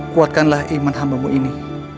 kuatkanlah iman hambamu ini